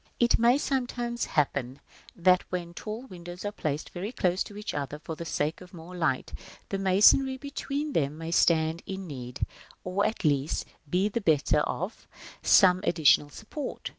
§ VIII. It may sometimes happen that when tall windows are placed very close to each other for the sake of more light, the masonry between them may stand in need, or at least be the better of, some additional support.